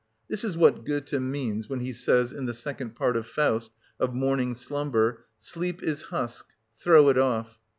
This is what Goethe means when he says (in the second part of "Faust") of morning slumber: "Sleep is husk: throw it off."